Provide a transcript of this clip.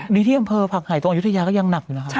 นี่ที่อำเภอผักหายตรงอายุทยาก็ยังหนักอยู่นะครับ